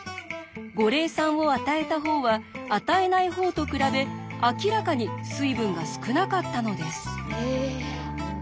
五苓散を与えた方は与えない方と比べ明らかに水分が少なかったのです。